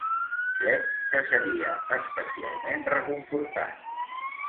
Crec que seria especialment reconfortant.